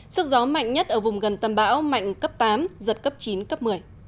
sức gió mạnh nhất ở vùng gần tâm bão mạnh cấp tám giật cấp chín cấp một mươi